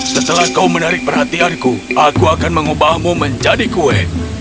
setelah kau menarik perhatianku aku akan mengubahmu menjadi kue